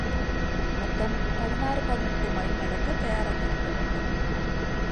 மொத்தம் பதினாறு, பதினெட்டு மைல் நடக்கத் தயாராக இருக்க வேண்டும்.